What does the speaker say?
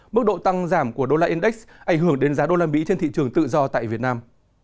mức độ tăng giảm của usd index ảnh hưởng đến giá usd trên thị trường tự do tại việt nam